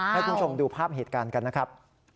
ให้คุณผู้ชมดูภาพเหตุการณ์กันนะครับ